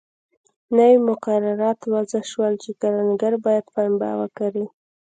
نوي مقررات وضع شول چې کروندګر باید پنبه وکري.